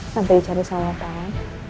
nanti dicari salah tahu